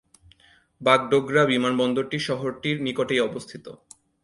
বাগডোগরা বিমানবন্দরটি শহরটির নিকটেই অবস্থিত।